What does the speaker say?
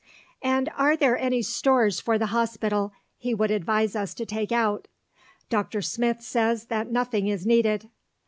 And are there any stores for the Hospital he would advise us to take out? Dr. Smith says that nothing is needed.